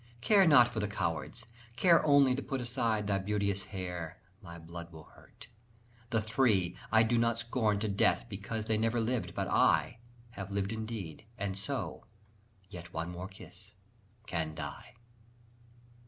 Care not for the cowards! Care Only to put aside thy beauteous hair My blood will hurt! The Three, I do not scorn To death, because they never lived: but I Have lived indeed, and so (yet one more kiss) can die!